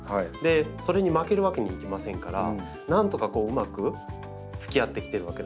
それに負けるわけにいきませんからなんとかうまくつきあってきてるわけなんですよ。